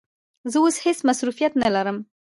زه اوس هیڅ مصروفیت نه لرم.